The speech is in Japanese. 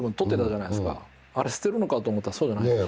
あれ捨てるのかと思ったらそうじゃないんですか。